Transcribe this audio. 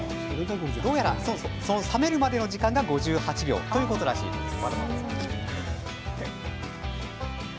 どうやら、その冷めるまでの時間が５８秒ということらしいんです。